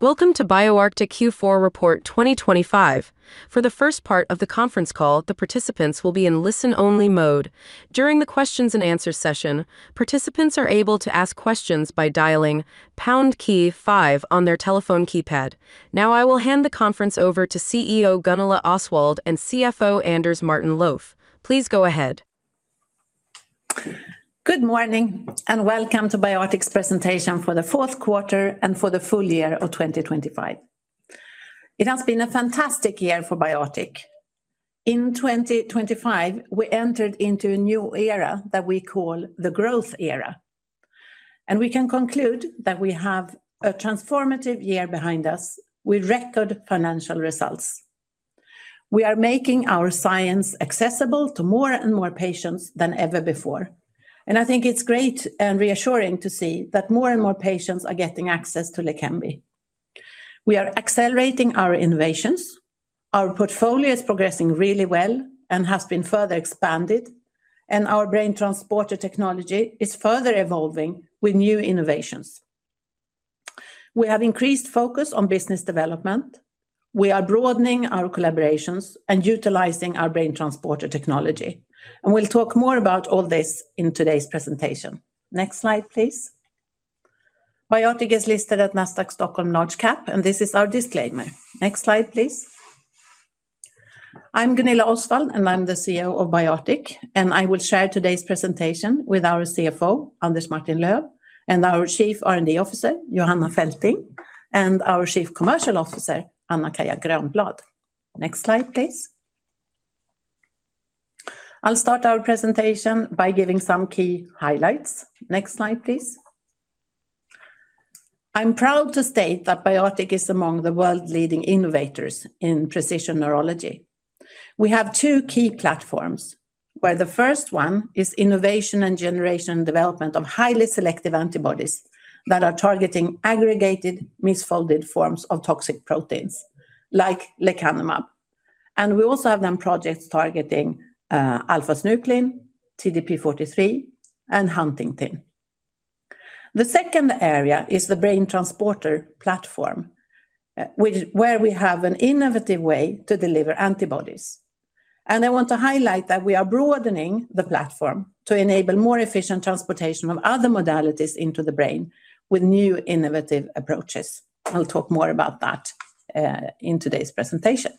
Welcome to BioArctic Q4 Report 2025. For the first part of the conference call, the participants will be in listen-only mode. During the questions and answer session, participants are able to ask questions by dialing pound key five on their telephone keypad. Now, I will hand the conference over to CEO Gunilla Osswald and CFO Anders Martin-Löf. Please go ahead. Good morning, and welcome to BioArctic's presentation for the fourth quarter and for the full year of 2025. It has been a fantastic year for BioArctic. In 2025, we entered into a new era that we call the growth era, and we can conclude that we have a transformative year behind us with record financial results. We are making our science accessible to more and more patients than ever before, and I think it's great and reassuring to see that more and more patients are getting access to Leqembi. We are accelerating our innovations. Our portfolio is progressing really well and has been further expanded, and our BrainTransporter technology is further evolving with new innovations. We have increased focus on business development. We are broadening our collaborations and utilizing our BrainTransporter technology, and we'll talk more about all this in today's presentation. Next slide, please. BioArctic is listed at Nasdaq Stockholm Large Cap, and this is our disclaimer. Next slide, please. I'm Gunilla Osswald, and I'm the CEO of BioArctic, and I will share today's presentation with our CFO, Anders Martin-Löf, and our Chief R&D Officer, Johanna Fälting, and our Chief Commercial Officer, Anna-Kaija Grönblad. Next slide, please. I'll start our presentation by giving some key highlights. Next slide, please. I'm proud to state that BioArctic is among the world-leading innovators in precision neurology. We have two key platforms, where the first one is innovation and generation development of highly selective antibodies that are targeting aggregated misfolded forms of toxic proteins, like lecanemab. We also have them projects targeting alpha-synuclein, TDP-43, and huntingtin. The second area is the BrainTransporter platform, which where we have an innovative way to deliver antibodies. I want to highlight that we are broadening the platform to enable more efficient transportation of other modalities into the brain with new innovative approaches. I'll talk more about that in today's presentation.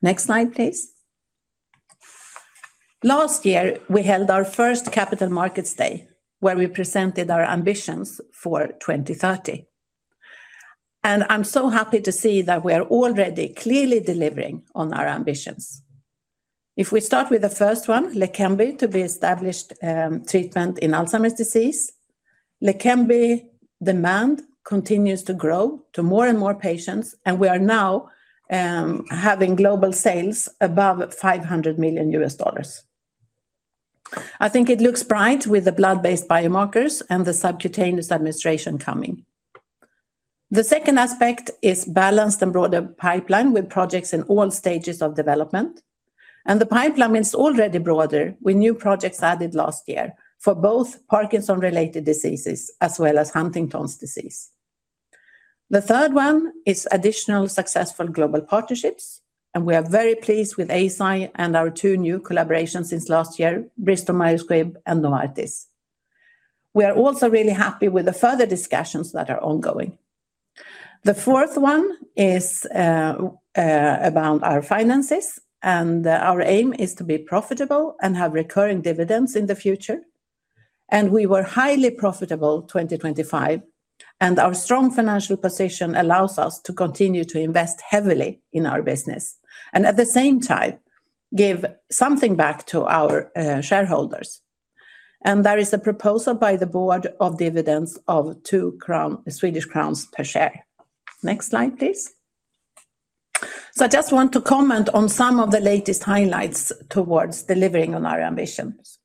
Next slide, please. Last year, we held our first Capital Markets Day, where we presented our ambitions for 2030, and I'm so happy to see that we are already clearly delivering on our ambitions. If we start with the first one, Leqembi, to be established, treatment in Alzheimer's disease, Leqembi demand continues to grow to more and more patients, and we are now having global sales above $500 million. I think it looks bright with the blood-based biomarkers and the subcutaneous administration coming. The second aspect is balanced and broader pipeline, with projects in all stages of development, and the pipeline is already broader, with new projects added last year for both Parkinson's related diseases as well as Huntington's disease. The third one is additional successful global partnerships, and we are very pleased with Eisai and our two new collaborations since last year, Bristol Myers Squibb and Novartis. We are also really happy with the further discussions that are ongoing. The fourth one is about our finances, and our aim is to be profitable and have recurring dividends in the future. We were highly profitable 2025, and our strong financial position allows us to continue to invest heavily in our business and, at the same time, give something back to our shareholders. There is a proposal by the board of dividends of 2 crown per share. Next slide, please. I just want to comment on some of the latest highlights towards delivering on our ambitions.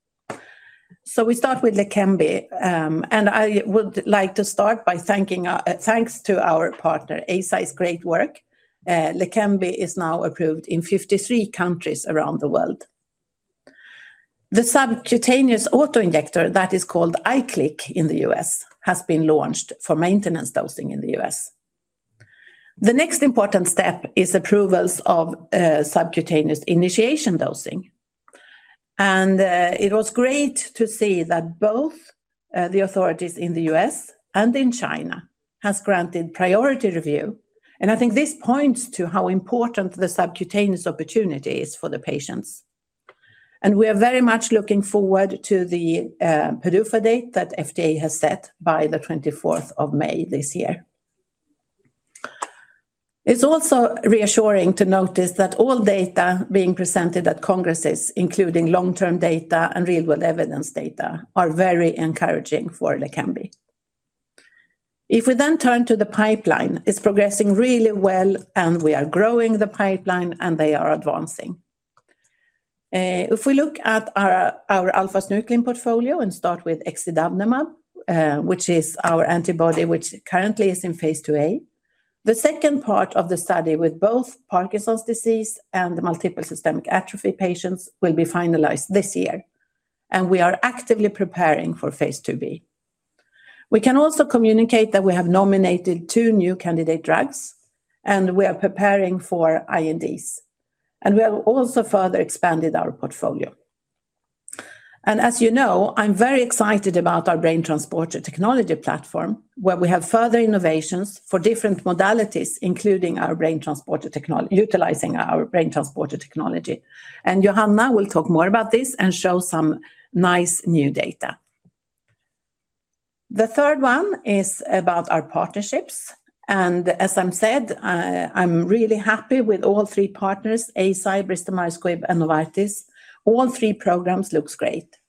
We start with Leqembi, and I would like to start by thanks to our partner, Eisai's great work, Leqembi is now approved in 53 countries around the world. The subcutaneous auto-injector, that is called Iqlik in the U.S., has been launched for maintenance dosing in the U.S. The next important step is approvals of subcutaneous initiation dosing, and it was great to see that both the authorities in the U.S. and in China has granted priority review. I think this points to how important the subcutaneous opportunity is for the patients, and we are very much looking forward to the PDUFA date that FDA has set by the 24th of May this year. It's also reassuring to notice that all data being presented at congresses, including long-term data and real world evidence data, are very encouraging for Leqembi. If we then turn to the pipeline, it's progressing really well, and we are growing the pipeline, and they are advancing. If we look at our alpha-synuclein portfolio and start with exidavnemab, which is our antibody, which currently is in phase II-A, the second part of the study with both Parkinson's disease and the multiple system atrophy patients will be finalized this year, and we are actively preparing for phase II-B. We can also communicate that we have nominated two new candidate drugs, and we are preparing for INDs, and we have also further expanded our portfolio. As you know, I'm very excited about our BrainTransporter technology platform, where we have further innovations for different modalities, including our BrainTransporter technology. Johanna will talk more about this and show some nice new data. The third one is about our partnerships, and as I said, I'm really happy with all three partners, Eisai, Bristol Myers Squibb, and Novartis. All three programs look great.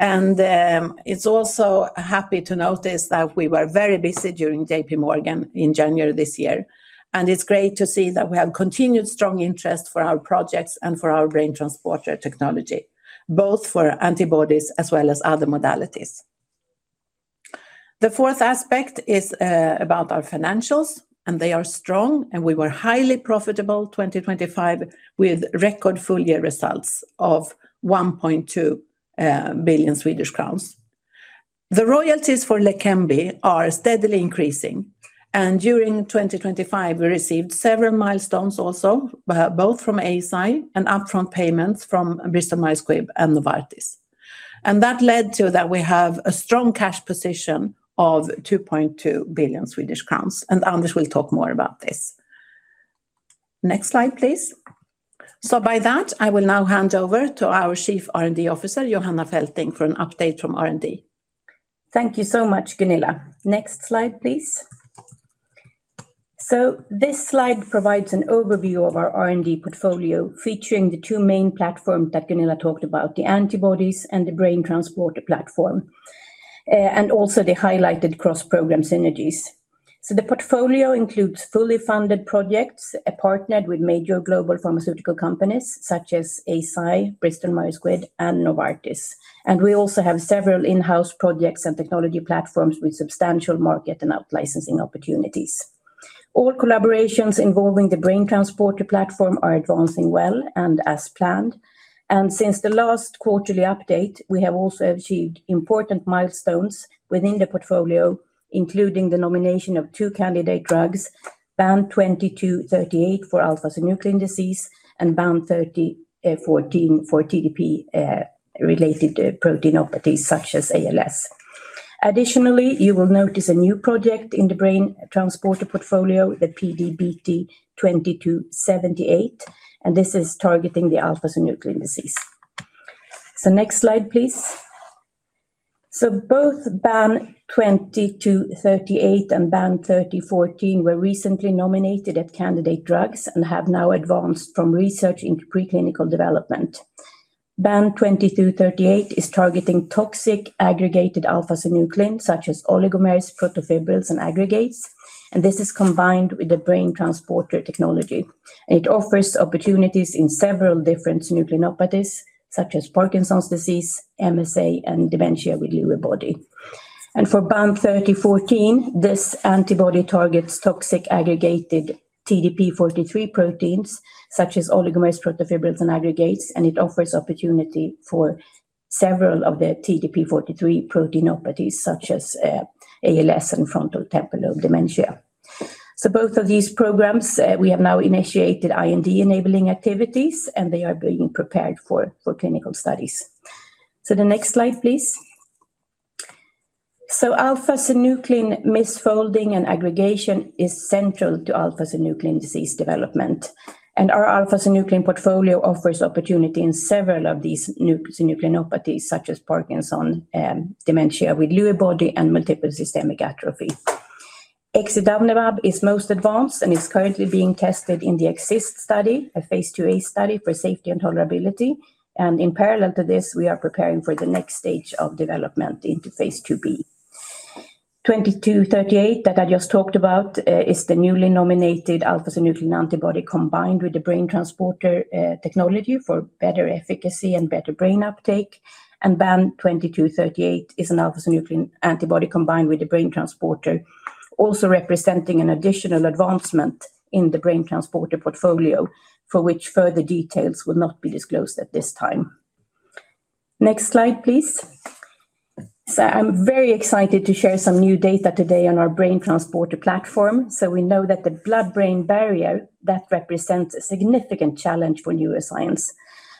It's also happy to notice that we were very busy during J.P. Morgan in January this year, and it's great to see that we have continued strong interest for our projects and for our BrainTransporter technology, both for antibodies as well as other modalities. The fourth aspect is about our financials, and they are strong, and we were highly profitable 2025, with record full year results of 1.2 billion Swedish crowns. The royalties for Leqembi are steadily increasing, and during 2025, we received several milestones also, both from Eisai and upfront payments from Bristol Myers Squibb and Novartis. And that led to that we have a strong cash position of 2.2 billion Swedish crowns, and Anders will talk more about this. Next slide, please. So by that, I will now hand over to our Chief R&D Officer, Johanna Fälting, for an update from R&D. Thank you so much, Gunilla. Next slide, please. This slide provides an overview of our R&D portfolio, featuring the two main platforms that Gunilla talked about, the antibodies and the BrainTransporter platform, and also the highlighted cross-program synergies. The portfolio includes fully funded projects, partnered with major global pharmaceutical companies such as Eisai, Bristol Myers Squibb, and Novartis. We also have several in-house projects and technology platforms with substantial market and out-licensing opportunities. All collaborations involving the BrainTransporter platform are advancing well and as planned. Since the last quarterly update, we have also achieved important milestones within the portfolio, including the nomination of two candidate drugs, BAN2238 for alpha-synuclein disease and BAN3014 for TDP-related proteinopathies, such as ALS. Additionally, you will notice a new project in the BrainTransporter portfolio, the PD-BT2278, and this is targeting the alpha-synuclein disease. So next slide, please. So both BAN2238 and BAN3014 were recently nominated as candidate drugs and have now advanced from research into preclinical development. BAN2238 is targeting toxic aggregated alpha-synuclein, such as oligomers, protofibrils, and aggregates, and this is combined with the BrainTransporter technology. It offers opportunities in several different synucleinopathies, such as Parkinson's disease, MSA, and dementia with Lewy bodies. And for BAN3014, this antibody targets toxic aggregated TDP-43 proteins, such as oligomers, protofibrils, and aggregates, and it offers opportunity for several of the TDP-43 proteinopathies, such as ALS and frontotemporal dementia. So both of these programs, we have now initiated IND enabling activities, and they are being prepared for clinical studies. So the next slide, please. Alpha-synuclein misfolding and aggregation is central to alpha-synuclein disease development, and our alpha-synuclein portfolio offers opportunity in several of these synucleinopathies, such as Parkinson and dementia with Lewy body and multiple system atrophy. Exidavnemab is most advanced and is currently being tested in the EXIST study, a phase II-A study for safety and tolerability. In parallel to this, we are preparing for the next stage of development into phase II-B. BAN2238, that I just talked about, is the newly nominated alpha-synuclein antibody combined with the BrainTransporter technology for better efficacy and better brain uptake. BAN2238 is an alpha-synuclein antibody combined with the BrainTransporter, also representing an additional advancement in the BrainTransporter portfolio, for which further details will not be disclosed at this time. Next slide, please. I'm very excited to share some new data today on our BrainTransporter platform. We know that the blood-brain barrier, that represents a significant challenge for neuroscience.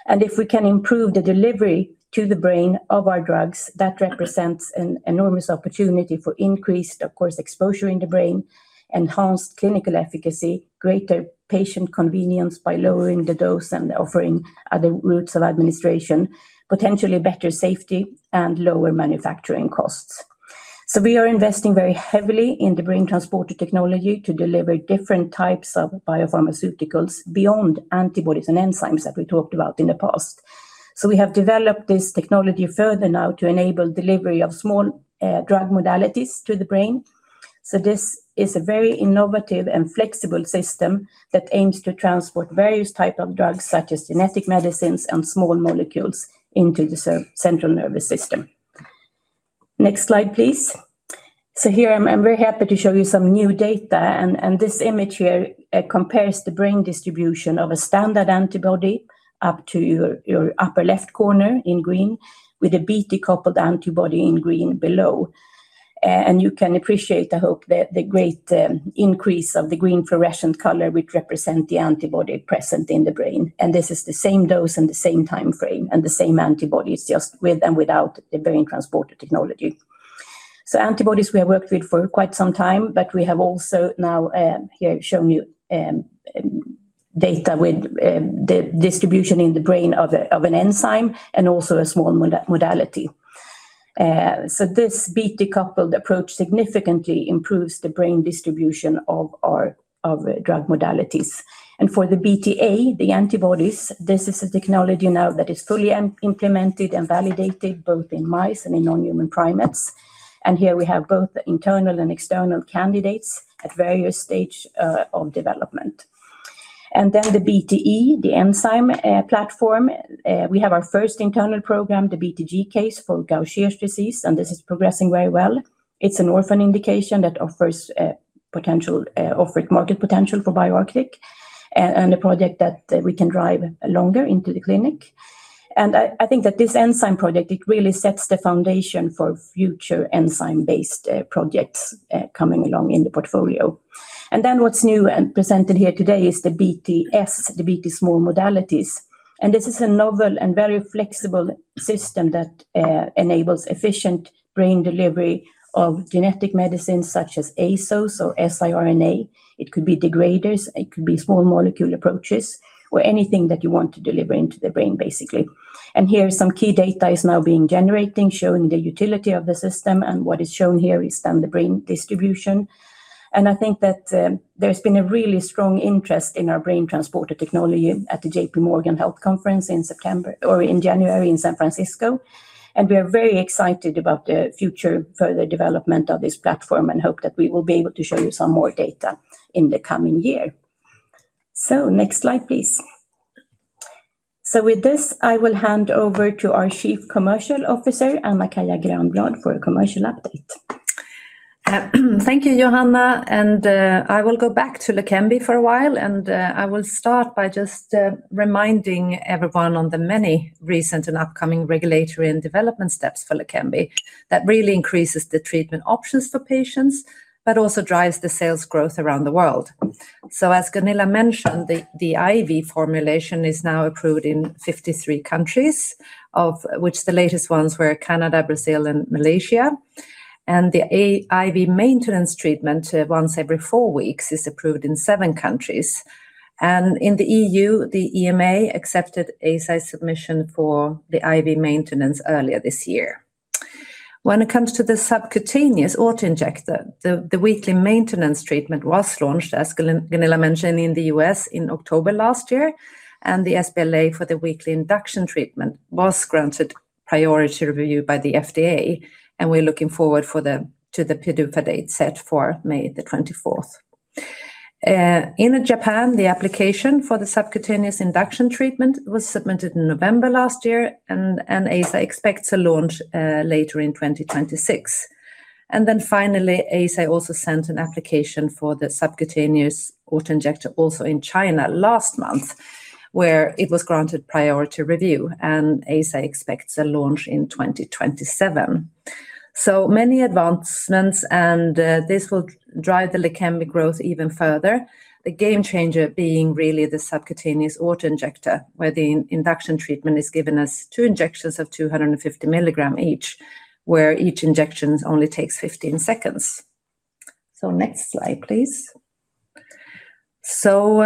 If we can improve the delivery to the brain of our drugs, that represents an enormous opportunity for increased, of course, exposure in the brain, enhanced clinical efficacy, greater patient convenience by lowering the dose and offering other routes of administration, potentially better safety and lower manufacturing costs. We are investing very heavily in the BrainTransporter technology to deliver different types of biopharmaceuticals beyond antibodies and enzymes that we talked about in the past. We have developed this technology further now to enable delivery of small drug modalities to the brain. This is a very innovative and flexible system that aims to transport various types of drugs, such as genetic medicines and small molecules, into the central nervous system. Next slide, please. Here, I'm very happy to show you some new data, and this image here compares the brain distribution of a standard antibody up to your upper left corner in green, with a BT-coupled antibody in green below. You can appreciate, I hope, the great increase of the green fluorescent color, which represents the antibody present in the brain. This is the same dose and the same time frame and the same antibodies, just with and without the BrainTransporter technology. So antibodies we have worked with for quite some time, but we have also now here shown you data with the distribution in the brain of a, of an enzyme and also a small modality. So this BT-coupled approach significantly improves the brain distribution of our, of drug modalities. And for the BTA, the antibodies, this is a technology now that is fully implemented and validated, both in mice and in non-human primates. And here we have both the internal and external candidates at various stage of development. And then the BTE, the enzyme platform. We have our first internal program, the BT-GCase for Gaucher's disease, and this is progressing very well. It's an orphan indication that offers potential offered market potential for BioArctic, and a project that we can drive longer into the clinic. I think that this enzyme project really sets the foundation for future enzyme-based projects coming along in the portfolio. What's new and presented here today is the BT small modalities. This is a novel and very flexible system that enables efficient brain delivery of genetic medicines such as ASOs or siRNA. It could be degraders, it could be small molecule approaches, or anything that you want to deliver into the brain, basically. Here some key data is now being generated, showing the utility of the system, and what is shown here is the brain distribution. I think that there's been a really strong interest in our BrainTransporter technology at the J.P. Morgan Healthcare Conference in January in San Francisco. We are very excited about the future further development of this platform, and hope that we will be able to show you some more data in the coming year. Next slide, please. With this, I will hand over to our Chief Commercial Officer, Ann-Kaija Grönblad, for a commercial update. Thank you, Johanna, and I will go back to Leqembi for a while, and I will start by just reminding everyone on the many recent and upcoming regulatory and development steps for Leqembi. That really increases the treatment options for patients, but also drives the sales growth around the world. So as Gunilla mentioned, the IV formulation is now approved in 53 countries, of which the latest ones were Canada, Brazil, and Malaysia. And the IV maintenance treatment, once every four weeks, is approved in seven countries. And in the EU, the EMEA accepted the submission for the IV maintenance earlier this year. When it comes to the subcutaneous auto-injector, the weekly maintenance treatment was launched, as Gunilla mentioned, in the U.S. in October last year, and the sBLA for the weekly induction treatment was granted priority review by the FDA, and we're looking forward to the PDUFA date set for May the 24th. In Japan, the application for the subcutaneous induction treatment was submitted in November last year, and Eisai expects a launch later in 2026. And then finally, Eisai also sent an application for the subcutaneous auto-injector also in China last month, where it was granted priority review, and Eisai expects a launch in 2027. So many advancements, and this will drive the Leqembi growth even further. The game changer being really the subcutaneous auto-injector, where the induction treatment is given as two injections of 250 mg each, where each injection only takes 15 seconds. So next slide, please. So,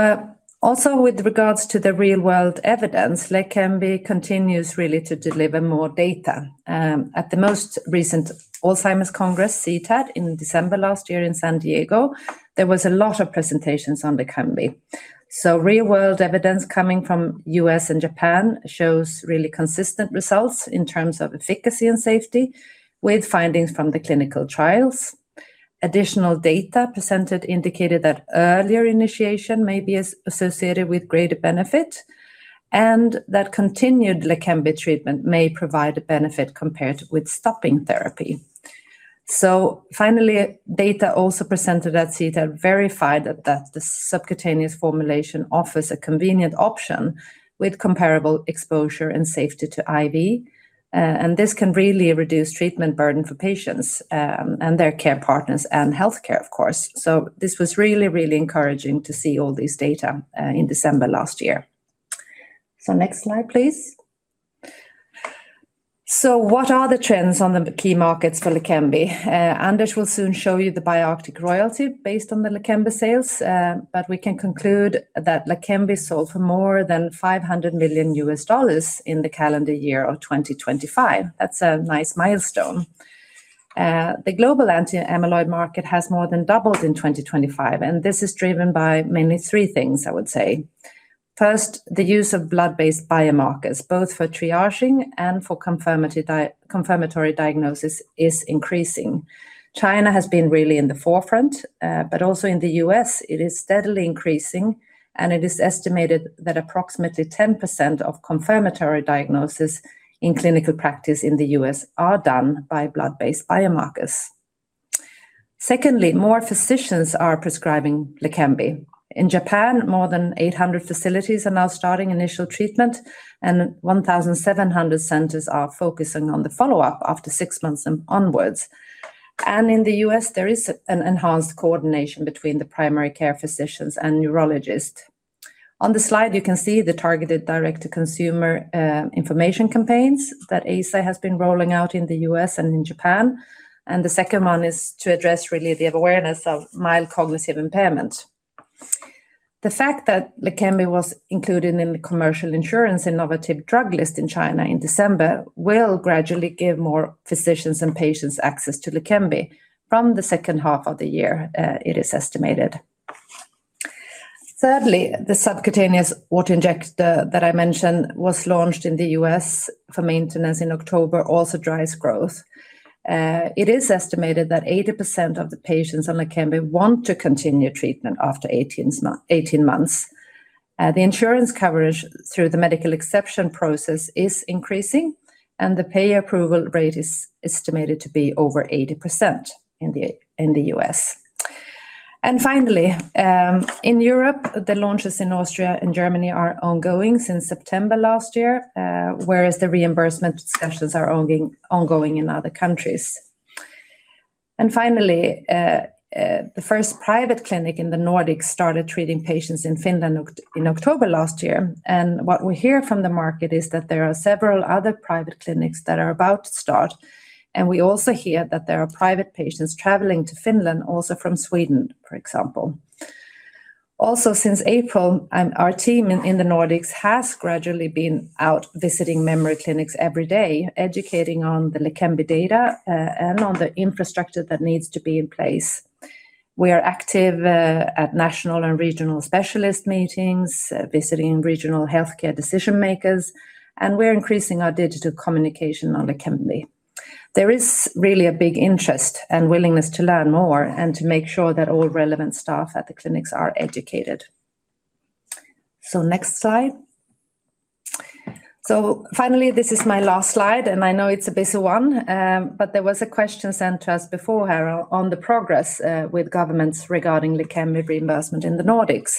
also with regards to the real-world evidence, Leqembi continues really to deliver more data. At the most recent Alzheimer's Congress, CTAD, in December last year in San Diego, there was a lot of presentations on Leqembi. So real-world evidence coming from U.S. and Japan shows really consistent results in terms of efficacy and safety, with findings from the clinical trials. Additional data presented indicated that earlier initiation may be associated with greater benefit, and that continued Leqembi treatment may provide a benefit compared with stopping therapy. So finally, data also presented at CTAD verified that the subcutaneous formulation offers a convenient option with comparable exposure and safety to IV. And this can really reduce treatment burden for patients, and their care partners and healthcare, of course. So this was really, really encouraging to see all this data, in December last year. So next slide, please. So what are the trends on the key markets for Leqembi? Anders will soon show you the BioArctic royalty based on the Leqembi sales, but we can conclude that Leqembi sold for more than $500 million in the calendar year of 2025. That's a nice milestone. The global anti-amyloid market has more than doubled in 2025, and this is driven by mainly three things, I would say. First, the use of blood-based biomarkers, both for triaging and for confirmatory diagnosis, is increasing. China has been really in the forefront, but also in the U.S., it is steadily increasing, and it is estimated that approximately 10% of confirmatory diagnosis in clinical practice in the U.S. are done by blood-based biomarkers. Secondly, more physicians are prescribing Leqembi. In Japan, more than 800 facilities are now starting initial treatment, and 1,700 centers are focusing on the follow-up after six months and onwards. And in the U.S., there is an enhanced coordination between the primary care physicians and neurologists. On the slide, you can see the targeted direct-to-consumer information campaigns that Eisai has been rolling out in the U.S. and in Japan. And the second one is to address really the awareness of mild cognitive impairment. The fact that Leqembi was included in the commercial insurance innovative drug list in China in December will gradually give more physicians and patients access to Leqembi from the second half of the year, it is estimated. Thirdly, the subcutaneous auto-injector that I mentioned was launched in the U.S. for maintenance in October, also drives growth. It is estimated that 80% of the patients on Leqembi want to continue treatment after 18 months. The insurance coverage through the medical exception process is increasing, and the pay approval rate is estimated to be over 80% in the U.S. Finally, in Europe, the launches in Austria and Germany are ongoing since September last year, whereas the reimbursement discussions are ongoing in other countries. Finally, the first private clinic in the Nordics started treating patients in Finland in October last year. What we hear from the market is that there are several other private clinics that are about to start, and we also hear that there are private patients traveling to Finland, also from Sweden, for example. Also, since April, our team in the Nordics has gradually been out visiting memory clinics every day, educating on the Leqembi data, and on the infrastructure that needs to be in place. We are active at national and regional specialist meetings, visiting regional healthcare decision makers, and we're increasing our digital communication on Leqembi. There is really a big interest and willingness to learn more and to make sure that all relevant staff at the clinics are educated. Next slide. So finally, this is my last slide, and I know it's a busy one, but there was a question sent to us before, Harald, on the progress with governments regarding Leqembi reimbursement in the Nordics.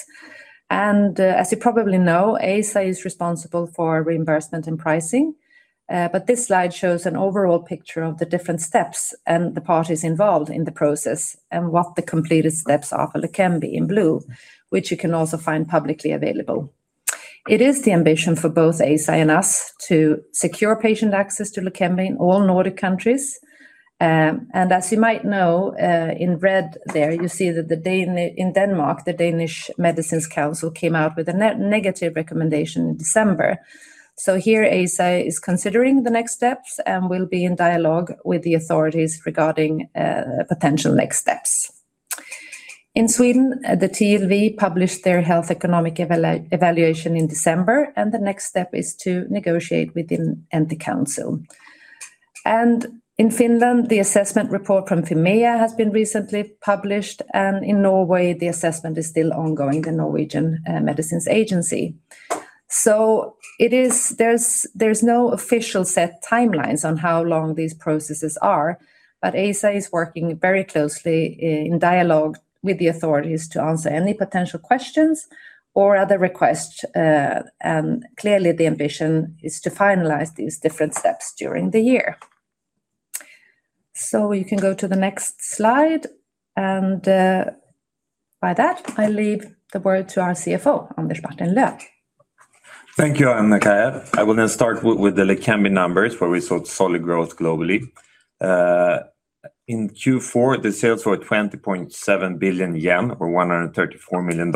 And as you probably know, Eisai is responsible for reimbursement and pricing. But this slide shows an overall picture of the different steps and the parties involved in the process, and what the completed steps are for Leqembi in blue, which you can also find publicly available. It is the ambition for both Eisai and us to secure patient access to Leqembi in all Nordic countries. And as you might know, in red there, you see that in Denmark, the Danish Medicines Council came out with a negative recommendation in December. So here, Eisai is considering the next steps and will be in dialogue with the authorities regarding potential next steps. In Sweden, the TLV published their health economic evaluation in December, and the next step is to negotiate with the NT Council. In Finland, the assessment report from Fimea has been recently published, and in Norway, the assessment is still ongoing, the Norwegian Medical Products Agency. So there is no official set timelines on how long these processes are, but Eisai is working very closely in dialogue with the authorities to answer any potential questions or other requests. And clearly, the ambition is to finalize these different steps during the year. So you can go to the next slide, and by that, I leave the word to our CFO, Anders Martin-Löf. Thank you, Ann-Kaija. I will now start with the Leqembi numbers, where we saw solid growth globally. In Q4, the sales were 20.7 billion yen, or $134 million.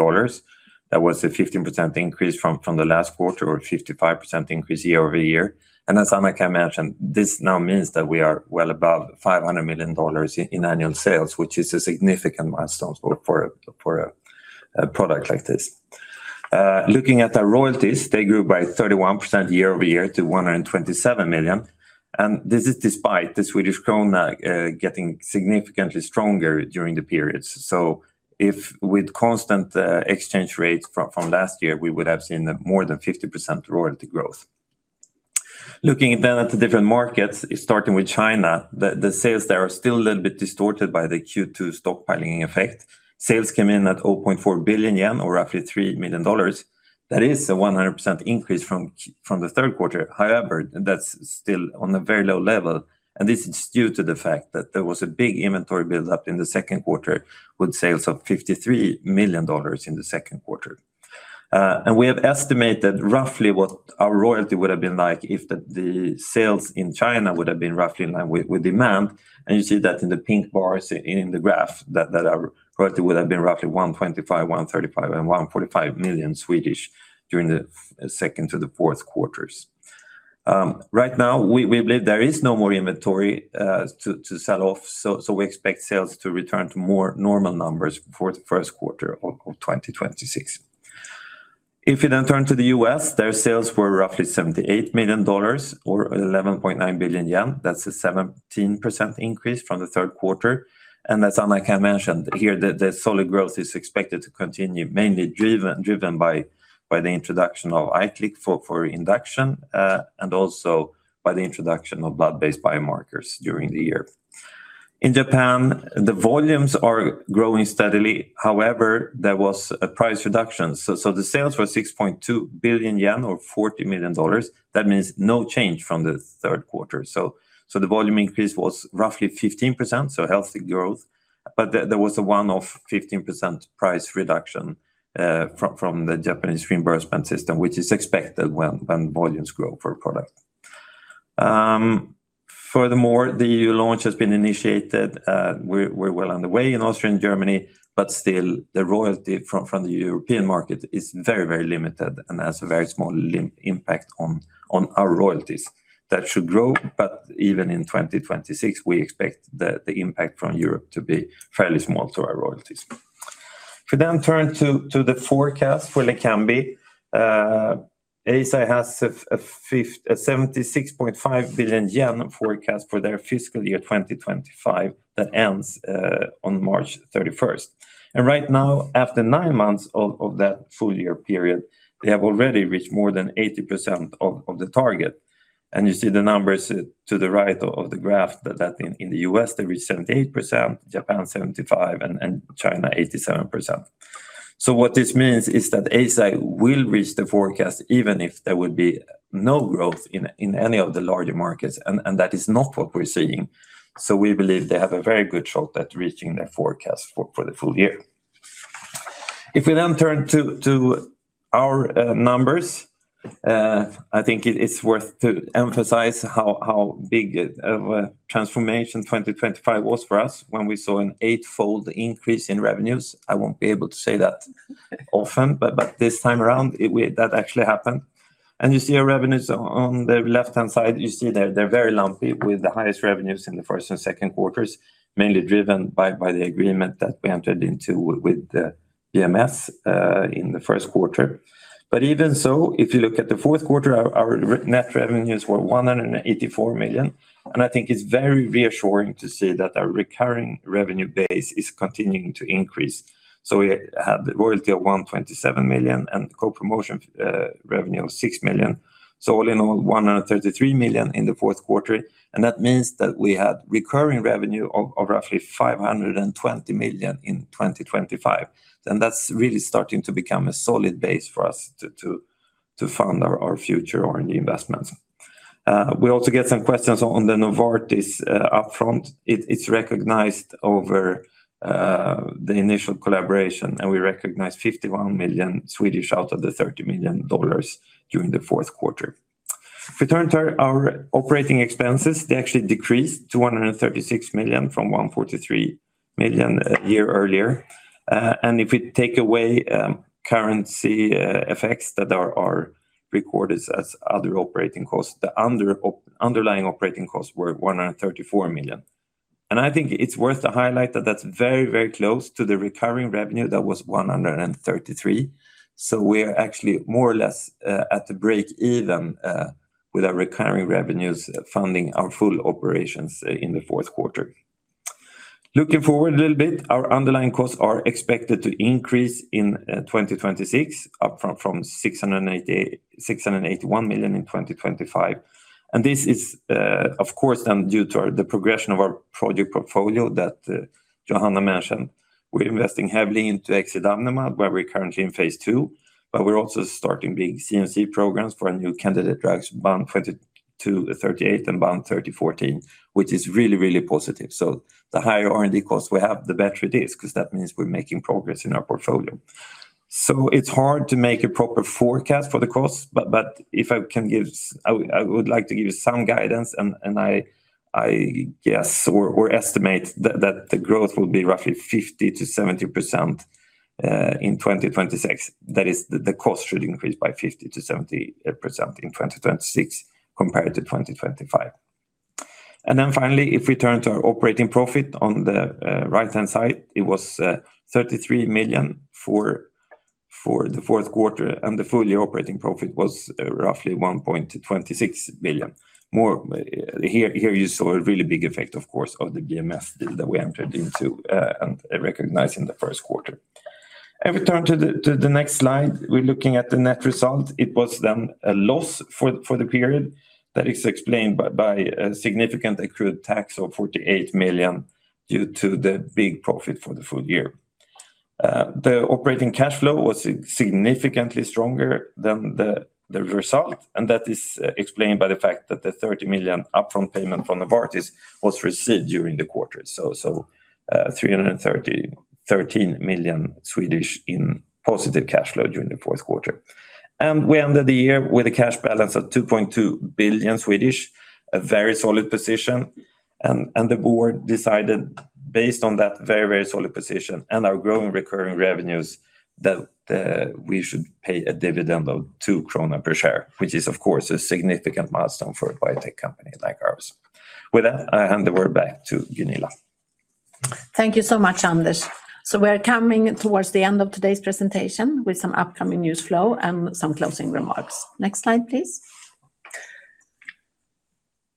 That was a 15% increase from the last quarter, or a 55% increase year-over-year. And as Ann-Kaija mentioned, this now means that we are well above $500 million in annual sales, which is a significant milestone for a product like this. Looking at the royalties, they grew by 31% year-over-year to 127 million, and this is despite the Swedish krona getting significantly stronger during the periods. So, with constant exchange rates from last year, we would have seen more than 50% royalty growth. Looking at the different markets, starting with China, the sales there are still a little bit distorted by the Q2 stockpiling effect. Sales came in at 0.4 billion yen, or roughly $3 million. That is a 100% increase from the third quarter. However, that's still on a very low level, and this is due to the fact that there was a big inventory build-up in the second quarter, with sales of $53 million in the second quarter. And we have estimated roughly what our royalty would have been like if the sales in China would have been roughly in line with demand. You see that in the pink bars in the graph, that our royalty would have been roughly 125 million, 135 million, and 145 million during the second to the fourth quarters. Right now, we believe there is no more inventory to sell off, so we expect sales to return to more normal numbers for the first quarter of 2026. If you then turn to the U.S., their sales were roughly $78 million or 11.9 billion yen. That's a 17% increase from the third quarter. As Ann-Kaija mentioned, here, the solid growth is expected to continue, mainly driven by the introduction of Iqlik for induction, and also by the introduction of blood-based biomarkers during the year. In Japan, the volumes are growing steadily. However, there was a price reduction. The sales were 6.2 billion yen, or $40 million. That means no change from the third quarter. The volume increase was roughly 15%, so healthy growth, but there was a one-off 15% price reduction from the Japanese reimbursement system, which is expected when volumes grow per product. Furthermore, the launch has been initiated, we're well on the way in Austria and Germany, but still, the royalty from the European market is very, very limited and has a very small impact on our royalties. That should grow, but even in 2026, we expect the impact from Europe to be fairly small to our royalties. If we then turn to the forecast for Leqembi, Eisai has a 76.5 billion yen forecast for their fiscal year 2025, that ends on March 31st. Right now, after nine months of that full year period, they have already reached more than 80% of the target. You see the numbers to the right of the graph, that in the U.S., they reached 78%, Japan 75%, and China 87%. What this means is that Eisai will reach the forecast, even if there would be no growth in any of the larger markets, and that is not what we're seeing. We believe they have a very good shot at reaching their forecast for the full year. If we then turn to our numbers, I think it is worth to emphasize how big a transformation 2025 was for us, when we saw an eightfold increase in revenues. I won't be able to say that often, but this time around, it that actually happened. You see our revenues on the left-hand side, you see they're very lumpy, with the highest revenues in the first and second quarters, mainly driven by the agreement that we entered into with the BMS in the first quarter. But even so, if you look at the fourth quarter, our net revenues were 184 million, and I think it's very reassuring to see that our recurring revenue base is continuing to increase. So we had royalty of 127 million and co-promotion revenue of 6 million. So all in all, 133 million in the fourth quarter, and that means that we had recurring revenue of roughly 520 million in 2025. And that's really starting to become a solid base for us to fund our future R&D investments. We also get some questions on the Novartis upfront. It's recognized over the initial collaboration, and we recognize 51 million out of $30 million during the fourth quarter. If we turn to our operating expenses, they actually decreased to 136 million from 143 million a year earlier. If we take away currency effects that are recorded as other operating costs, the underlying operating costs were 134 million. I think it's worth to highlight that that's very, very close to the recurring revenue that was 133 million. We're actually more or less at a break even, with our recurring revenues funding our full operations in the fourth quarter. Looking forward a little bit, our underlying costs are expected to increase in 2026, upfront from 680-681 million in 2025. This is, of course, then due to the progression of our project portfolio that Johanna mentioned. We're investing heavily into exidavnemab, where we're currently in phase II, but we're also starting big CMC programs for our new candidate drugs, BAN2238 and BAN3014, which is really, really positive. So the higher R&D costs we have, the better it is, 'cause that means we're making progress in our portfolio. So it's hard to make a proper forecast for the cost, but if I can give, I would like to give you some guidance, and I guess, or estimate that the growth will be roughly 50%-70% in 2026. That is, the cost should increase by 50%-70% in 2026, compared to 2025. Then finally, if we turn to our operating profit on the right-hand side, it was 33 million for the fourth quarter, and the full-year operating profit was roughly 1-26 billion. More, here, here you saw a really big effect, of course, of the BMS deal that we entered into and recognized in the first quarter. If we turn to the next slide, we're looking at the net result. It was then a loss for the period. That is explained by a significant accrued tax of 48 million due to the big profit for the first year. The operating cash flow was significantly stronger than the result, and that is explained by the fact that the 30 million upfront payment from Novartis was received during the quarter. Three hundred thirty-three million SEK in positive cash flow during the fourth quarter. We ended the year with a cash balance of 2.2 billion, a very solid position, and the board decided, based on that very, very solid position and our growing recurring revenues, that we should pay a dividend of 2 krona per share, which is, of course, a significant milestone for a biotech company like ours. With that, I hand the word back to Gunilla. Thank you so much, Anders. So we're coming towards the end of today's presentation with some upcoming news flow and some closing remarks. Next slide, please.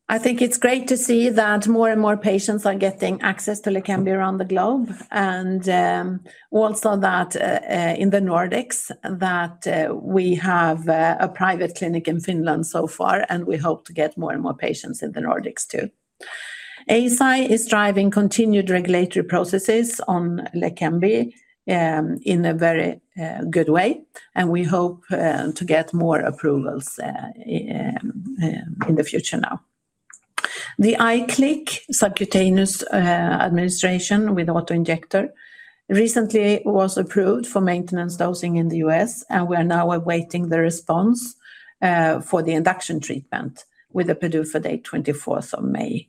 I think it's great to see that more and more patients are getting access to Leqembi around the globe, and also that in the Nordics, that we have a private clinic in Finland so far, and we hope to get more and more patients in the Nordics, too. Eisai is driving continued regulatory processes on Leqembi in a very good way, and we hope to get more approvals in the future now. The Iqlik subcutaneous administration with auto-injector recently was approved for maintenance dosing in the U.S., and we are now awaiting the response for the induction treatment with the PDUFA date, 24th of May.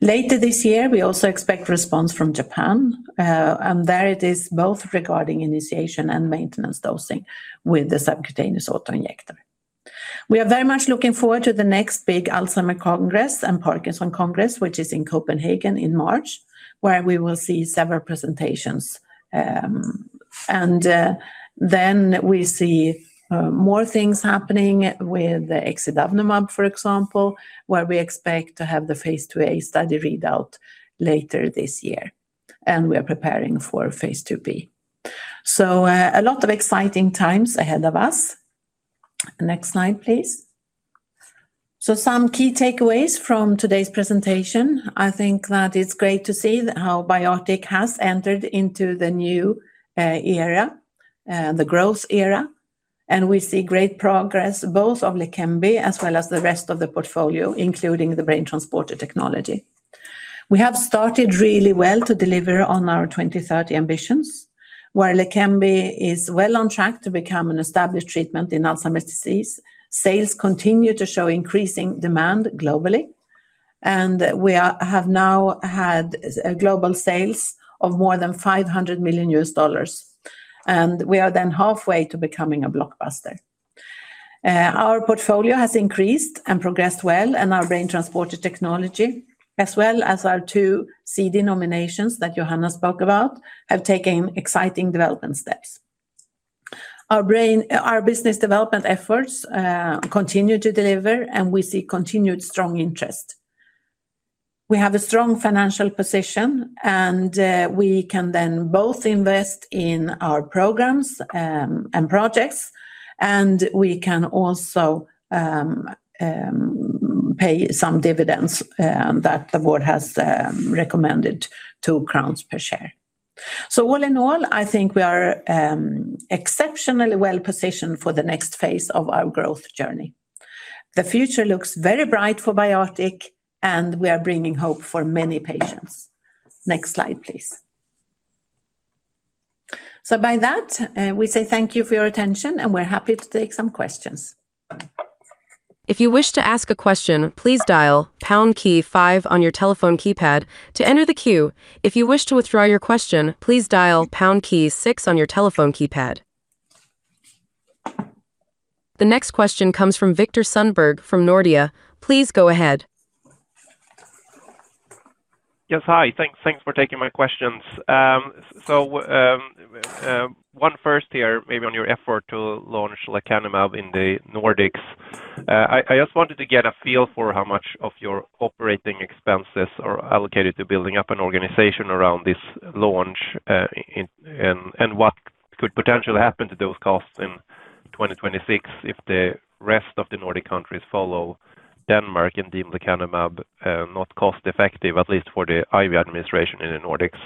Later this year, we also expect response from Japan, and there it is both regarding initiation and maintenance dosing with the subcutaneous auto-injector. We are very much looking forward to the next big Alzheimer Congress and Parkinson Congress, which is in Copenhagen in March, where we will see several presentations. Then we see more things happening with the exidavnemab, for example, where we expect to have the phase II-A study readout later this year, and we are preparing for phase II-B. So, a lot of exciting times ahead of us. Next slide, please. So some key takeaways from today's presentation. I think that it's great to see that how BioArctic has entered into the new era, the growth era, and we see great progress, both of Leqembi as well as the rest of the portfolio, including the BrainTransporter technology. We have started really well to deliver on our 2030 ambitions, where Leqembi is well on track to become an established treatment in Alzheimer's disease. Sales continue to show increasing demand globally, and we have now had global sales of more than $500 million, and we are then halfway to becoming a blockbuster. Our portfolio has increased and progressed well, and our BrainTransporter technology, as well as our two CD nominations that Johanna spoke about, have taken exciting development steps. Our business development efforts continue to deliver, and we see continued strong interest. We have a strong financial position, and we can then both invest in our programs and projects, and we can also pay some dividends that the board has recommended, two crowns per share. All in all, I think we are exceptionally well positioned for the next phase of our growth journey. The future looks very bright for BioArctic, and we are bringing hope for many patients. Next slide, please. So by that, we say thank you for your attention, and we're happy to take some questions. If you wish to ask a question, please dial pound key five on your telephone keypad to enter the queue. If you wish to withdraw your question, please dial pound key six on your telephone keypad. The next question comes from Viktor Sundberg from Nordea. Please go ahead. Yes, hi. Thanks, thanks for taking my questions. So, one first here, maybe on your effort to launch lecanemab in the Nordics. I just wanted to get a feel for how much of your operating expenses are allocated to building up an organization around this launch, in- and, and what could potentially happen to those costs in 2026 if the rest of the Nordic countries follow Denmark and deem lecanemab, not cost-effective, at least for the IV administration in the Nordics.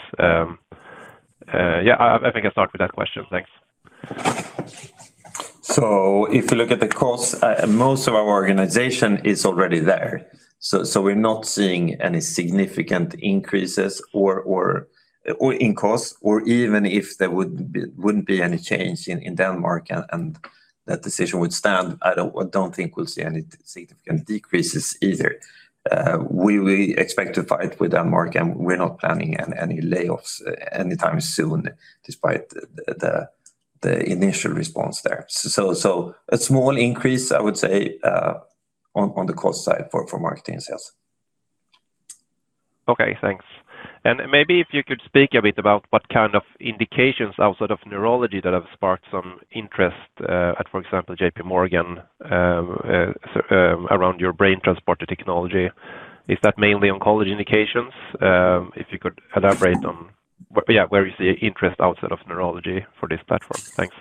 Yeah, I think I'll start with that question. Thanks. If you look at the costs, most of our organization is already there. We're not seeing any significant increases in cost, or even if there wouldn't be any change in Denmark and that decision would stand, I don't think we'll see any significant decreases either. We expect to fight with Denmark, and we're not planning any layoffs anytime soon, despite the initial response there. A small increase, I would say, on the cost side for marketing sales. Okay, thanks. And maybe if you could speak a bit about what kind of indications outside of neurology that have sparked some interest, at, for example, J.P. Morgan, around your BrainTransporter technology. Is that mainly oncology indications? If you could elaborate on where - yeah, where is the interest outside of neurology for this platform? Thanks.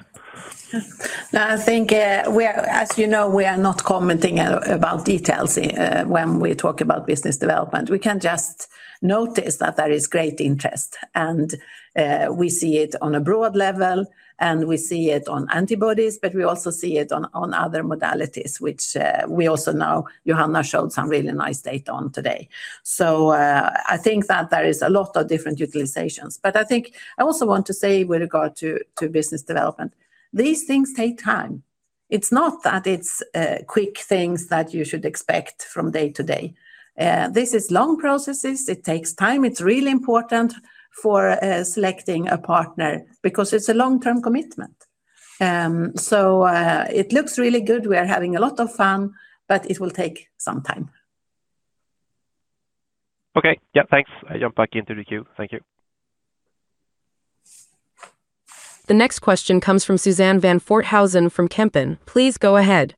Now, I think, as you know, we are not commenting about details when we talk about business development. We can just notice that there is great interest, and we see it on a broad level, and we see it on antibodies, but we also see it on other modalities, which we also know Johanna showed some really nice data on today. So, I think that there is a lot of different utilizations, but I think I also want to say with regard to business development, these things take time. It's not that it's quick things that you should expect from day-to-day. This is long processes. It takes time. It's really important for selecting a partner because it's a long-term commitment. So, it looks really good. We are having a lot of fun, but it will take some time. Okay. Yeah, thanks. I jump back into the queue. Thank you. The next question comes from Suzanne van Voorthuizen from Kempen. Please go ahead.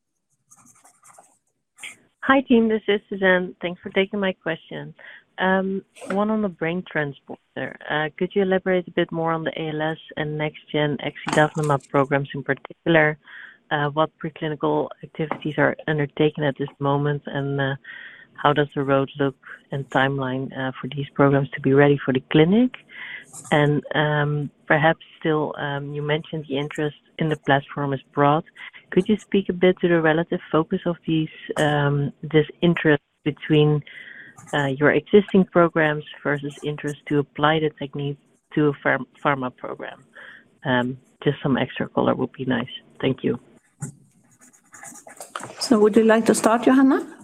Hi, team. This is Suzanne. Thanks for taking my question. One on the BrainTransporter. Could you elaborate a bit more on the ALS and next gen exidavnemab programs in particular, what preclinical activities are undertaken at this moment, and, how does the road look and timeline, for these programs to be ready for the clinic? And, perhaps still, you mentioned the interest in the platform is broad. Could you speak a bit to the relative focus of these, this interest between, your existing programs versus interest to apply the technique to a pharma program? Just some extra color would be nice. Thank you. Would you like to start, Johanna?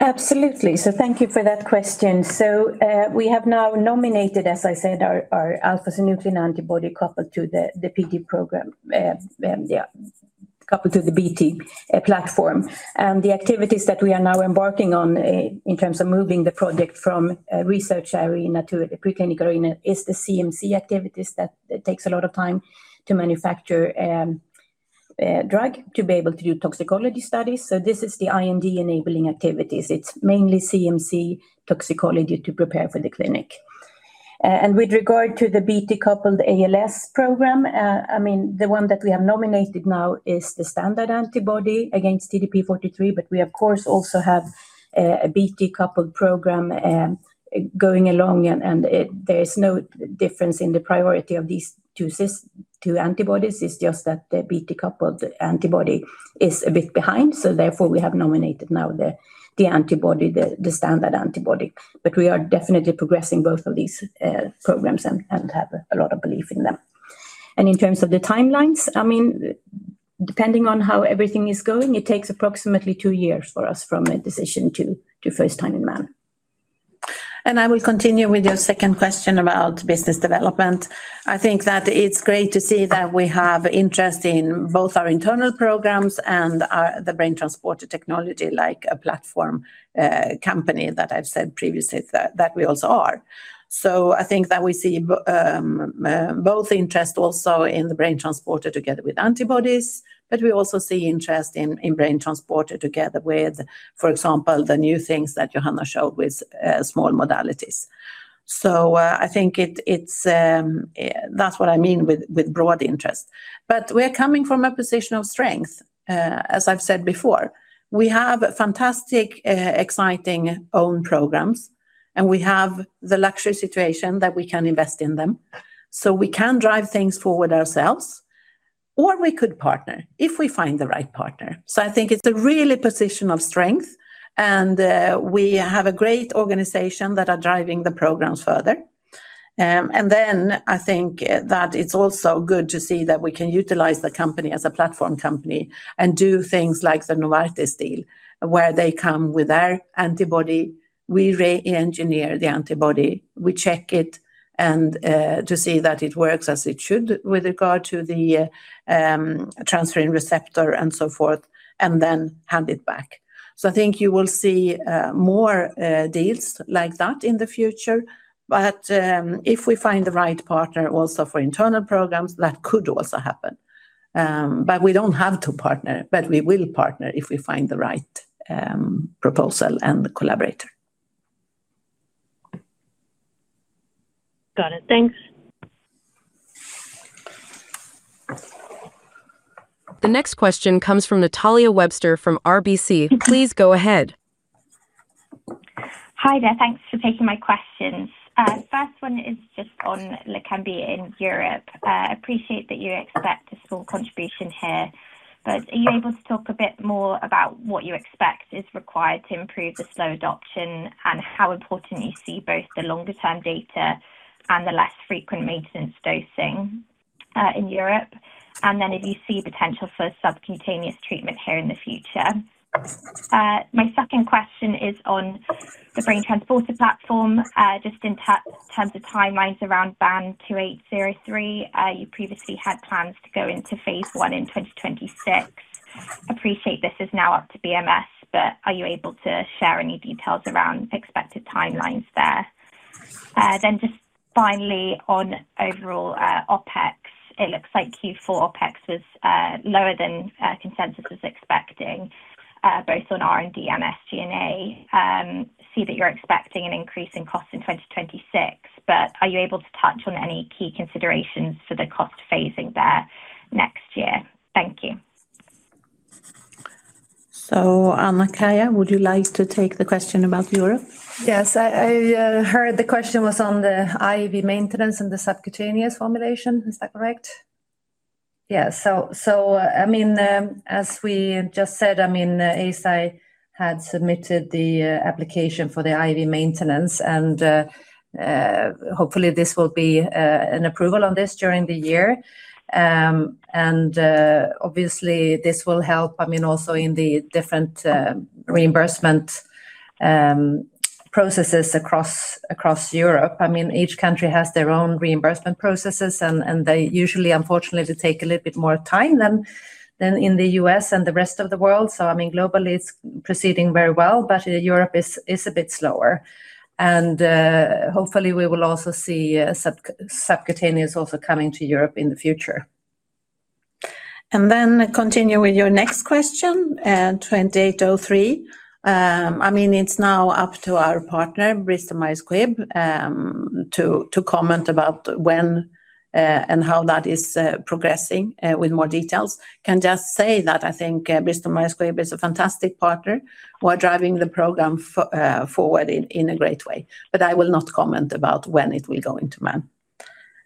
Absolutely. So thank you for that question. So, we have now nominated, as I said, our alpha-synuclein antibody coupled to the PD program. Coupled to the BT platform. The activities that we are now embarking on, in terms of moving the project from a research arena to the preclinical arena is the CMC activities that it takes a lot of time to manufacture a drug to be able to do toxicology studies. So this is the IND enabling activities. It's mainly CMC toxicology to prepare for the clinic. And with regard to the BT-coupled ALS program, I mean, the one that we have nominated now is the standard antibody against TDP-43, but we of course also have a BT-coupled program going along, and there is no difference in the priority of these two antibodies. It's just that the BT-coupled antibody is a bit behind, so therefore, we have nominated now the antibody, the standard antibody. But we are definitely progressing both of these programs and have a lot of belief in them. And in terms of the timelines, I mean, depending on how everything is going, it takes approximately two years for us from a decision to first time in man. I will continue with your second question about business development. I think that it's great to see that we have interest in both our internal programs and our BrainTransporter technology, like a platform company that I've said previously, that we also are. So I think that we see both interest also in the BrainTransporter together with antibodies, but we also see interest in BrainTransporter together with, for example, the new things that Johanna showed with small modalities. So, I think that's what I mean with broad interest. But we're coming from a position of strength, as I've said before. We have fantastic exciting own programs, and we have the luxury situation that we can invest in them. So we can drive things forward ourselves, or we could partner if we find the right partner. So I think it's a really position of strength, and, we have a great organization that are driving the programs further. And then I think, that it's also good to see that we can utilize the company as a platform company and do things like the Novartis deal, where they come with their antibody, we re-engineer the antibody, we check it, and, to see that it works as it should with regard to the, transferrin receptor and so forth, and then hand it back. So I think you will see, more, deals like that in the future, but, if we find the right partner also for internal programs, that could also happen. We don't have to partner, but we will partner if we find the right proposal and the collaborator. Got it. Thanks. The next question comes from Natalia Webster from RBC. Please go ahead. Hi there. Thanks for taking my questions. First one is just on Leqembi in Europe. I appreciate that you expect a small contribution here, but are you able to talk a bit more about what you expect is required to improve the slow adoption, and how important you see both the longer-term data and the less frequent maintenance dosing in Europe? If you see potential for subcutaneous treatment here in the future. My second question is on the BrainTransporter platform, just in terms of timelines around BAN2803. You previously had plans to go into phase I in 2026. I appreciate this is now up to BMS, but are you able to share any details around expected timelines there? Then just finally on overall, OpEx, it looks like Q4 OpEx was lower than consensus was expecting, both on R&D and SG&A. See that you're expecting an increase in costs in 2026, but are you able to touch on any key considerations for the cost phasing there next year? Thank you. So Ann-Kaija Grönblad, would you like to take the question about Europe? Yes. I heard the question was on the IV maintenance and the subcutaneous formulation. Is that correct? Yeah. So, I mean, as we just said, I mean, Eisai had submitted the application for the IV maintenance, and hopefully, this will be an approval on this during the year. And obviously, this will help, I mean, also in the different reimbursement processes across Europe. I mean, each country has their own reimbursement processes, and they usually, unfortunately, they take a little bit more time than in the U.S. and the rest of the world. So I mean, globally, it's proceeding very well, but Europe is a bit slower. And hopefully, we will also see subcutaneous also coming to Europe in the future. And then continue with your next question, 2803. I mean, it's now up to our partner, Bristol Myers Squibb, to comment about when and how that is progressing with more details. I can just say that I think Bristol Myers Squibb is a fantastic partner. We're driving the program forward in a great way. But I will not comment about when it will go into man.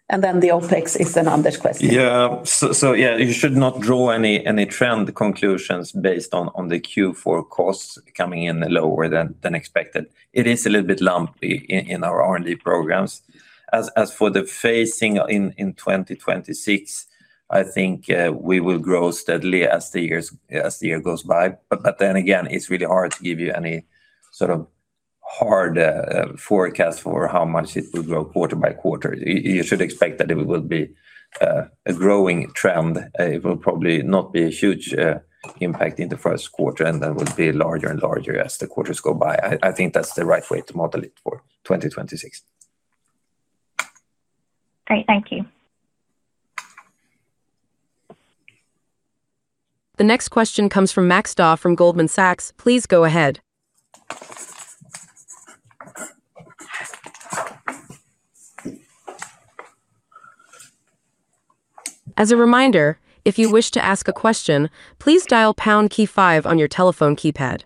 And then the OpEx is an Anders question. Yeah. So yeah, you should not draw any trend conclusions based on the Q4 costs coming in lower than expected. It is a little bit lumpy in our R&D programs. As for the phasing in 2026, I think we will grow steadily as the year goes by. But then again, it's really hard to give you any sort of hard forecast for how much it will grow quarter by quarter. You should expect that it will be a growing trend. It will probably not be a huge impact in the first quarter, and then will be larger and larger as the quarters go by. I think that's the right way to model it for 2026. Great. Thank you. The next question comes from Max Da from Goldman Sachs. Please go ahead. As a reminder, if you wish to ask a question, please dial pound key five on your telephone keypad.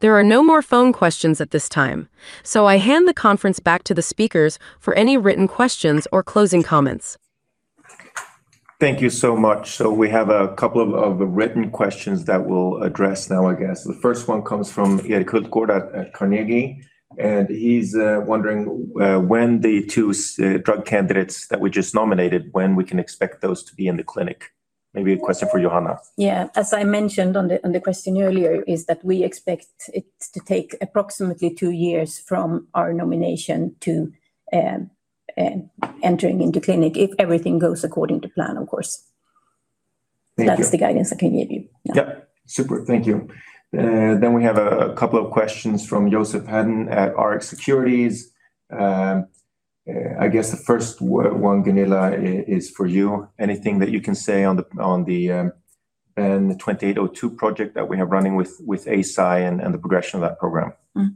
There are no more phone questions at this time, so I hand the conference back to the speakers for any written questions or closing comments. Thank you so much. So we have a couple of written questions that we'll address now, I guess. The first one comes from Erik Hultgård at Carnegie, and he's wondering when the two drug candidates that we just nominated, when we can expect those to be in the clinic? Maybe a question for Johanna. Yeah. As I mentioned on the, on the question earlier, is that we expect it to take approximately two years from our nomination to entering into clinic, if everything goes according to plan, of course. Thank you. That's the guidance I can give you. Yeah. Yep. Super. Thank you. Then we have a couple of questions from Joseph Hedden at Rx Securities. I guess the first one, Gunilla, is for you. Anything that you can say on the 2802 project that we have running with Eisai and the progression of that program? Mm-hmm.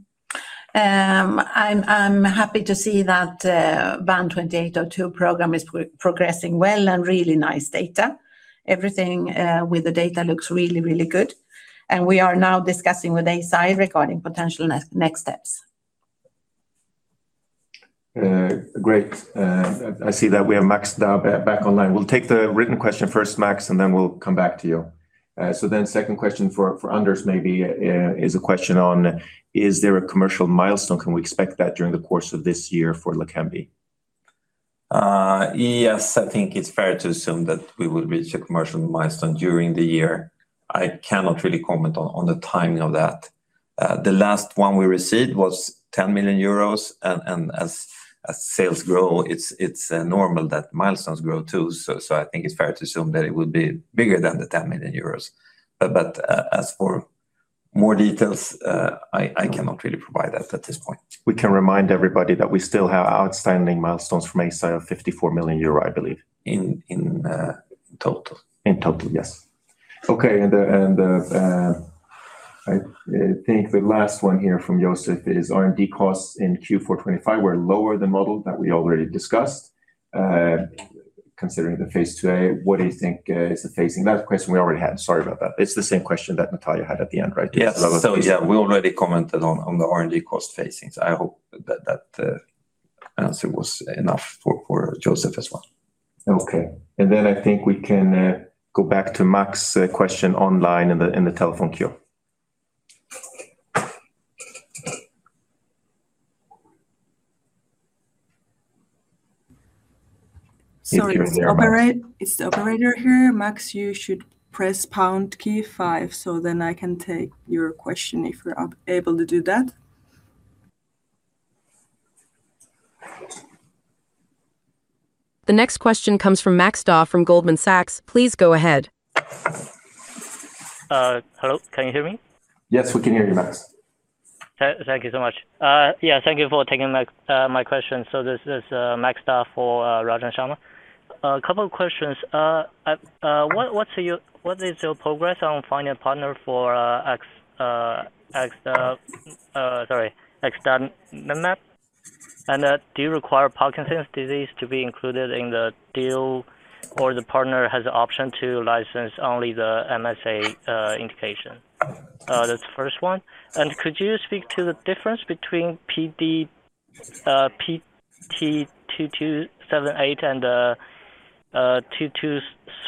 I'm happy to see that BAN2802 program is progressing well and really nice data. Everything with the data looks really, really good, and we are now discussing with Eisai regarding potential next steps. Great. I see that we have Max Da back online. We'll take the written question first, Max, and then we'll come back to you. So then second question for Anders maybe is a question on: Is there a commercial milestone? Can we expect that during the course of this year for Leqembi? Yes, I think it's fair to assume that we will reach a commercial milestone during the year. I cannot really comment on the timing of that. The last one we received was 10 million euros, and as sales grow, it's normal that milestones grow too. So I think it's fair to assume that it will be bigger than the 10 million euros. But as for more details, I cannot really provide that at this point. We can remind everybody that we still have outstanding milestones from Eisai of 54 million euro, I believe. In total. In total, yes. Okay, and the, and the, I think the last one here from Joseph is R&D costs in Q4 2025 were lower than modeled that we already discussed. Considering the phase II-A, what do you think is the phasing? That question we already had. Sorry about that. It's the same question that Natalia had at the end, right? Yes. So yeah, we already commented on the R&D cost phasing, so I hope that answer was enough for Joseph as well. Okay. And then I think we can go back to Max's question online in the telephone queue. Sorry, it's the operator here. Max, you should press pound key five, so then I can take your question if you're able to do that. The next question comes from Max Da from Goldman Sachs. Please go ahead. Hello, can you hear me? Yes, we can hear you, Max. Thank you so much. Yeah, thank you for taking my question. So this is Max Da for Goldman Sachs. A couple of questions. What is your progress on finding a partner for exidavnemab? And do you require Parkinson's disease to be included in the deal, or the partner has the option to license only the MSA indication? That's the first one. And could you speak to the difference between PD, PD-BT2238 and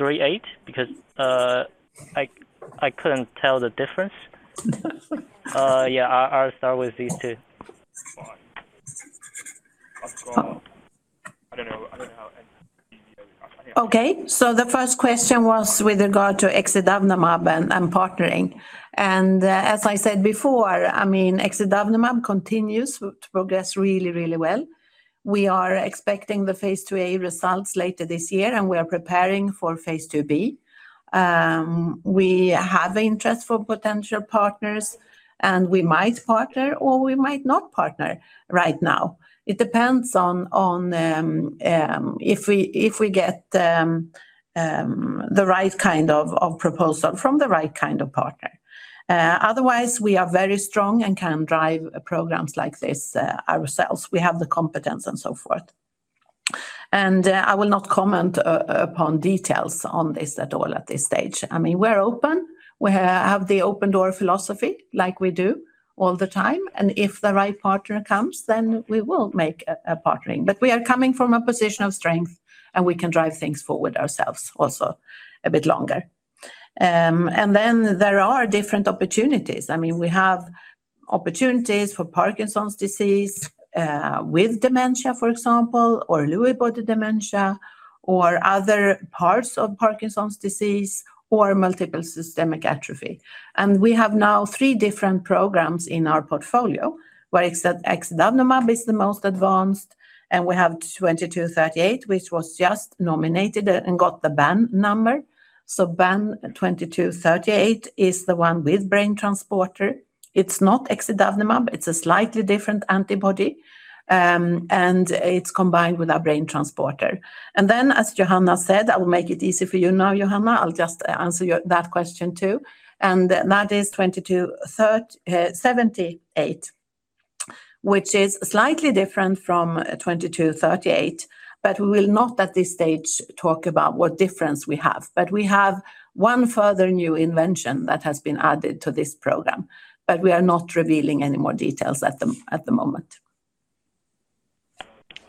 BAN2238? Because I couldn't tell the difference. Yeah, I'll start with these two. I don't know. I don't know how. Okay. So the first question was with regard to exidavnemab and partnering. As I said before, I mean, exidavnemab continues to progress really, really well. We are expecting the phase II-A results later this year, and we are preparing for phase II-B. We have interest for potential partners, and we might partner or we might not partner right now. It depends on if we get the right kind of proposal from the right kind of partner. Otherwise, we are very strong and can drive programs like this ourselves. We have the competence and so forth. I will not comment upon details on this at all at this stage. I mean, we're open. We have the open door philosophy like we do all the time, and if the right partner comes, then we will make a, a partnering. We are coming from a position of strength, and we can drive things forward ourselves also a bit longer. I mean, we have opportunities for Parkinson's disease, with dementia, for example, or Lewy body dementia, or other parts of Parkinson's disease, or multiple system atrophy. We have now three different programs in our portfolio, where exidavnemab is the most advanced, and we have 2238, which was just nominated and got the BAN number. So BAN2238 is the one with BrainTransporter. It's not exidavnemab. It's a slightly different antibody. It's combined with a BrainTransporter. As Johanna said, I will make it easy for you now, Johanna. I'll just answer that question, too. And that is 2278, which is slightly different from 2238, but we will not, at this stage, talk about what difference we have. But we have one further new invention that has been added to this program, but we are not revealing any more details at the moment.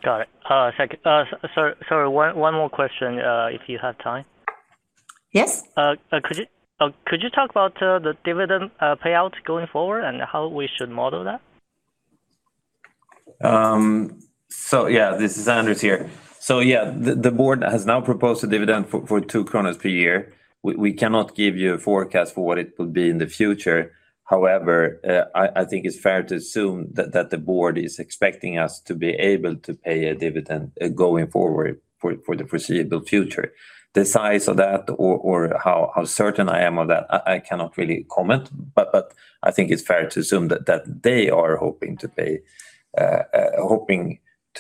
Got it. Thank you. Sorry, one more question, if you have time. Yes. Could you talk about the dividend payout going forward and how we should model that? So yeah, this is Anders here. So yeah, the board has now proposed a dividend for 2 per year. We cannot give you a forecast for what it will be in the future. However, I think it's fair to assume that the board is expecting us to be able to pay a dividend going forward for the foreseeable future. The size of that or how certain I am of that, I cannot really comment, but I think it's fair to assume that they are hoping to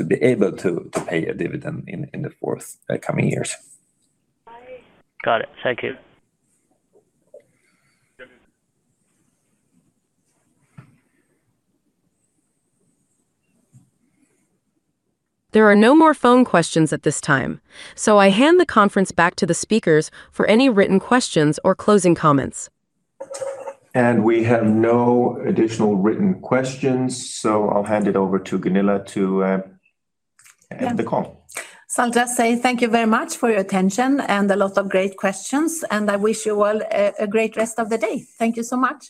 be able to pay a dividend in the forthcoming years. Got it. Thank you. There are no more phone questions at this time, so I hand the conference back to the speakers for any written questions or closing comments. We have no additional written questions, so I'll hand it over to Gunilla to end the call. I'll just say thank you very much for your attention and a lot of great questions, and I wish you all a great rest of the day. Thank you so much.